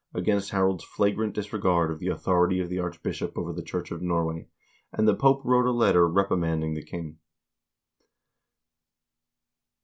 against Har ald's flagrant disregard of the authority of the archbishop over the Church of Norway, and the Pope wrote a letter reprimanding the king.